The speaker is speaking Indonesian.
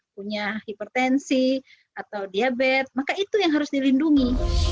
punya hipertensi atau diabetes maka itu yang harus dilindungi